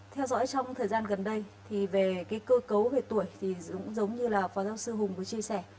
theo dõi trong thời gian gần đây thì về cơ cấu về tuổi thì cũng giống như là phó giáo sư hùng vừa chia sẻ